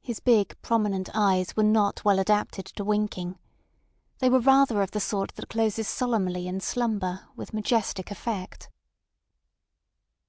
His big, prominent eyes were not well adapted to winking. They were rather of the sort that closes solemnly in slumber with majestic effect.